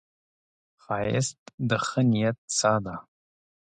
ښایست د ښې نیت ساه ده